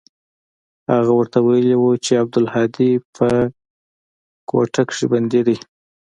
هغه ورته ويلي و چې عبدالهادي په کوټه کښې بندي دى.